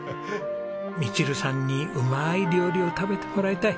ミチルさんにうまい料理を食べてもらいたい。